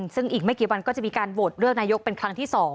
ซึ่งอีกไม่กี่วันก็จะมีการโหวตเลือกนายกเป็นครั้งที่๒